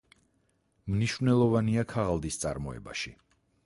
მნიშვნელოვანია ქაღალდის წარმოებაში.